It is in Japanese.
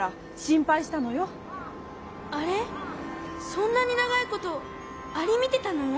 そんなにながいことアリみてたの？